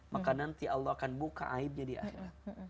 maka nanti allah akan buka aibnya di akhirat